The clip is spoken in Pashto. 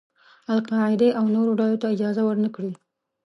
القاعدې او نورو ډلو ته اجازه ور نه کړي.